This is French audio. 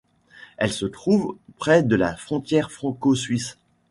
Elle se trouve près de la frontière franco-suisse.